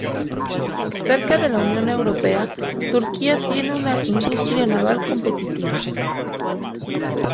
Cerca de la Unión Europea, Turquía tiene una industria naval competitiva.